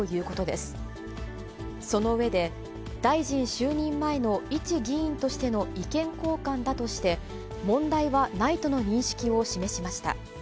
その上で、大臣就任前の一議員としての意見交換だとして、問題はないとの認識を示しました。